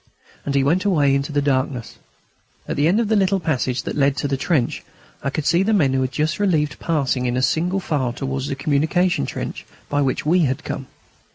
And he went away into the darkness. At the end of the little passage that led to the trench I could see the men who had just been relieved passing in single file going towards the communication trench by which we had come.